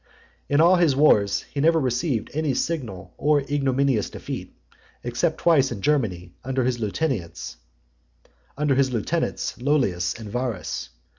XXIII. In all his wars, he never received any signal or ignominious defeat, except twice in Germany, under his lieutenants Lollius and Varus.